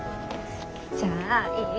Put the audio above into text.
じゃあいい？